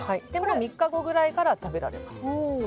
３日後ぐらいから食べられます。